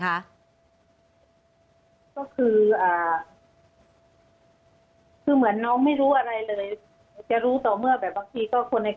อันดับที่สุดท้าย